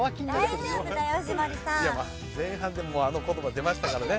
前半であの言葉出ましたからね。